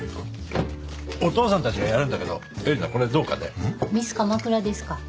お父さんたちがやるんだけどえりなこれどうかね？